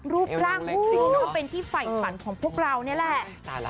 รูปร่างก็เป็นที่ไฝ่ฝันของพวกเราเนี่ยแหละ